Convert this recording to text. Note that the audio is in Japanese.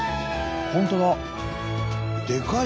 本当だ。